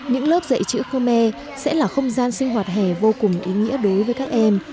những lớp dạy chữ khmer sẽ là không gian sinh hoạt hè vô cùng ý nghĩa đối với các em